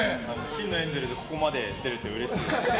金のエンゼルでここまで出れてうれしいです。